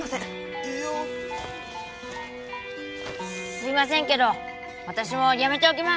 すいませんけど私もやめておきます。